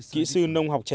kỹ sư nông học trẻ này